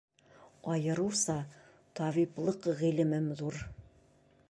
Айырыуса табиплыҡ ғилемем ҙур.